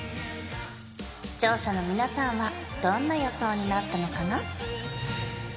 視聴者の皆さんはどんな予想になったのかな？